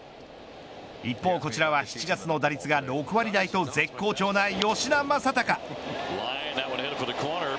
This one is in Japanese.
一方こちらは７月の打率が６割台と絶好調な吉田正尚。